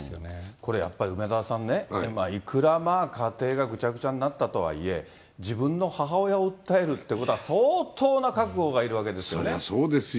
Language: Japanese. これやっぱり、梅沢さんね、いくら、家庭がぐちゃぐちゃになったとはいえ、自分の母親を訴えるっていうことは、そりゃそうですよ。